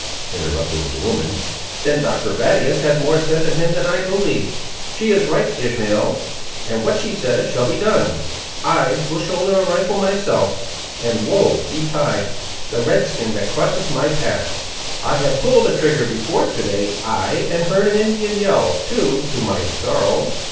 interrupted the woman; "then Dr. Battius has more sense in him than I believed! She is right, Ishmael; and what she says, shall be done. I will shoulder a rifle myself; and woe betide the red skin that crosses my path! I have pulled a trigger before to day; ay, and heard an Indian yell, too, to my sorrow."